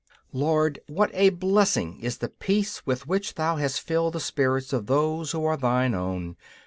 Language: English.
Lord, what a blessing is the peace with which Thou hast filled the spirits of those who are Thine own!